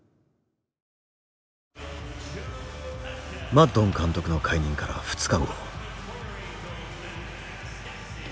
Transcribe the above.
マッドン監督の解任から２日後。